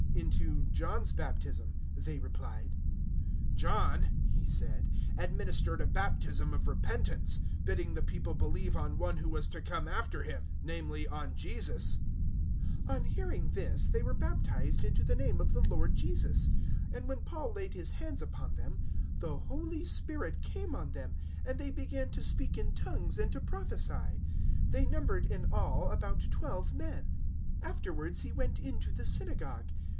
"Into John's baptism," they replied. 019:004 "John," he said, "administered a baptism of repentance, bidding the people believe on One who was to come after him; namely, on Jesus." 019:005 On hearing this, they were baptized into the name of the Lord Jesus; 019:006 and when Paul laid his hands upon them, the Holy Spirit came on them, and they began to speak in tongues and to prophesy. 019:007 They numbered in all about twelve men. 019:008 Afterwards he went into the synagogue.